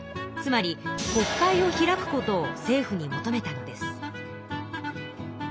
つまり国会を開くことを政府に求めたのです。